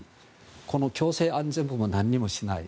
この行政安全部も何もしない。